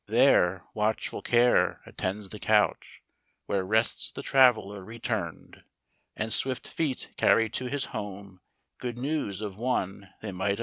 There watchful care attends the couch Where rests the traveler return'd, And swift feet carry to his home Good news of one they might have mourn'd.